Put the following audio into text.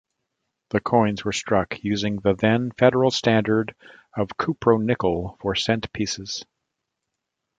The coins were struck using the then Federal standard of cupronickel for cent pieces.